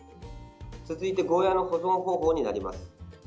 続いてゴーヤーの保存方法になります。